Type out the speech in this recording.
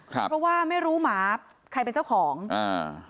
ครับเพราะว่าไม่รู้หมาใครเป็นเจ้าของอ่า